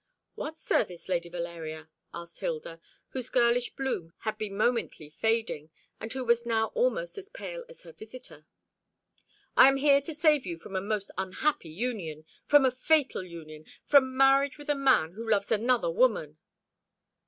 "What service, Lady Valeria?" asked Hilda, whose girlish bloom had been momently fading, and who was now almost as pale as her visitor. "I am here to save you from a most unhappy union from a fatal union from marriage with a man who loves another woman!"